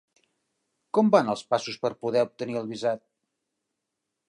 Com van els passos per poder obtenir el visat?